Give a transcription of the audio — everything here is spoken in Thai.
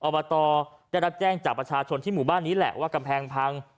อบตได้รับแจ้งจากประชาชนที่หมู่บ้านนี้แหละว่ากำแพงพัง